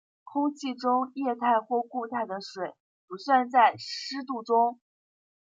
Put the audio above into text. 空气中液态或固态的水不算在湿度中。